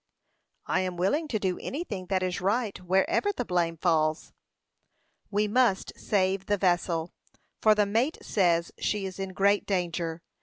"I am willing to do anything that is right, wherever the blame falls." "We must save the vessel, for the mate says she is in great danger.